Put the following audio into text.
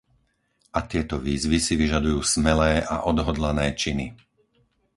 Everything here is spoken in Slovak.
A tieto výzvy si vyžadujú smelé a odhodlané činy.